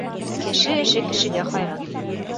Кеше эше кешегә хайран.